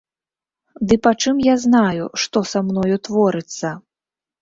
Ды пачым я знаю, што са мною творыцца?